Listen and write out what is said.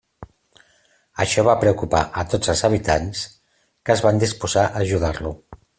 Això va preocupar a tots els habitants, que es van disposar a ajudar-lo.